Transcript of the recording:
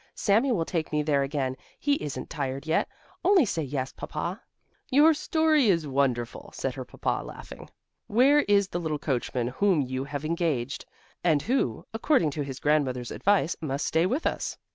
Sami will take me there again; he isn't tired yet. Only say yes, Papa." "Your story is wonderful," said her Papa, laughing. "Where is the little coachman whom you have engaged and who, according to his grandmother's advice, must stay with us?"